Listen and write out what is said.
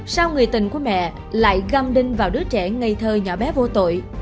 sau người tình của mẹ lại găm đinh vào đứa trẻ ngây thơ nhỏ bé vô tội